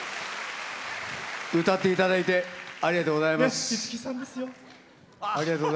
歌っていただいてありがとうございます。